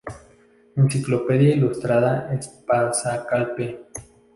Enciclopedia Ilustrada Espasa-Calpe.